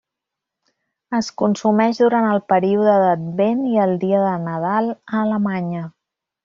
Es consumeix durant el període d'Advent i el dia de Nadal a Alemanya.